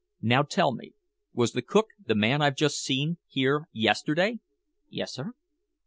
Now, tell me, was the cook, the man I've just seen, here yesterday?" "Yes, sir."